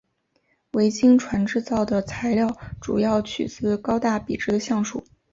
维京船制造的材料主要取自高大笔直的橡树。